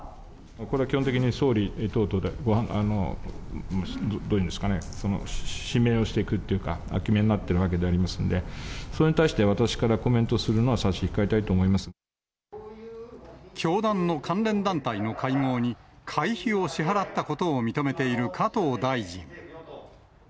これは基本的に総理等々でご判断、あのー、どういうんですかね、指名をしていくというか、お決めになっているわけでありますので、それに対して私からコメントするのは差し控えたいと思い教団の関連団体の会合に、会費を支払ったことを認めている加藤大臣。